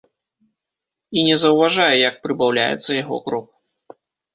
І не заўважае, як прыбаўляецца яго крок.